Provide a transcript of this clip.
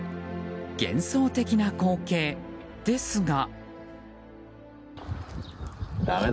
幻想的な光景ですが。